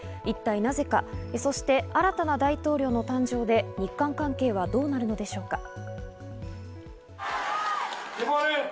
一体なぜか、そして新たな大統領の誕生で、日韓関係はどうなるのでしょうか？